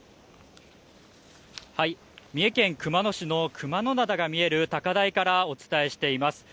三重県熊野市の熊野灘が見える高台からお伝えしています。